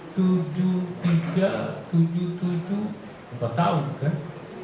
empat tahun kan